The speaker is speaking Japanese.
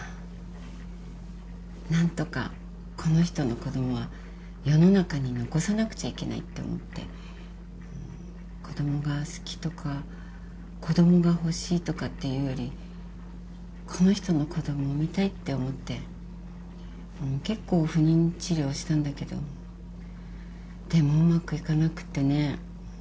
何とかこの人の子供は世の中に残さなくちゃいけないって思って子供が好きとか子供が欲しいとかっていうよりこの人の子供を産みたいって思って結構不妊治療したんだけどでもうまくいかなくてね。